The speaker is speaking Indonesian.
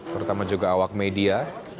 terutama juga awak media